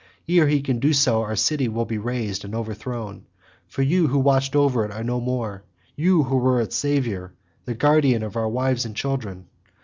Ere he can do so our city will be razed and overthrown, for you who watched over it are no more—you who were its saviour, the guardian of our wives and children.